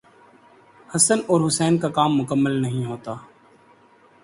حسن اور حسین کا کام مکمل نہیں ہوتا۔